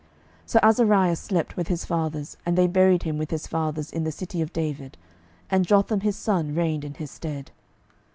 12:015:007 So Azariah slept with his fathers; and they buried him with his fathers in the city of David: and Jotham his son reigned in his stead.